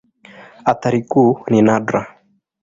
Athari kuu ni nadra.